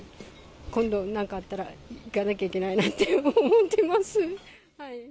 今度、なんかあったら行かなきゃいけないなって思ってます。